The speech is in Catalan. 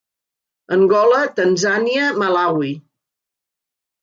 Angola, Tanzània, Malawi.